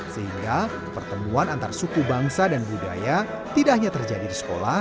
sehingga pertemuan antar suku bangsa dan budaya tidak hanya terjadi di sekolah